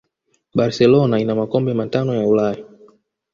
barcelona ina makombe matano ya ulaya